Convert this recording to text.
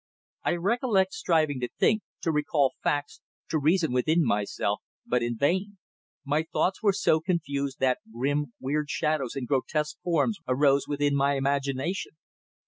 I recollect striving to think, to recall facts, to reason within myself, but in vain. My thoughts were so confused that grim, weird shadows and grotesque forms arose within my imagination.